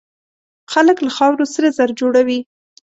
خلک له خاورو سره زر جوړوي.